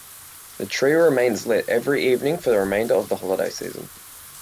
The tree remains lit every evening for the remainder of the holiday season.